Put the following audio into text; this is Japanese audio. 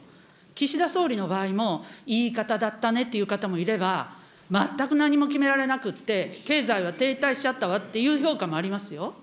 岸田総理の場合も、いい方だったねという方もいれば、全く何も決められなくって経済は停滞しちゃったわっていう評価もありますよ。